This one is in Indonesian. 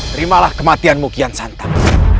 terimalah kematianmu kian santan